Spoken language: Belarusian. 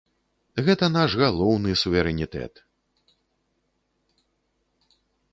Гэта наш галоўны суверэнітэт!